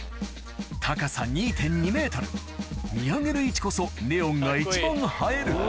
高さ２．２ｍ見上げる位置こそネオンが一番映える棟梁。